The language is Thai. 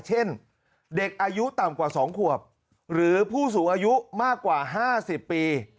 เช่นเด็กอายุต่ำกว่า๒ขวบหรือผู้สูงอายุมากกว่า๕๐ปี